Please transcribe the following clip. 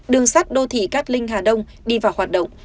đường sắt đô thị cát linh hà đông đi vào hoạt động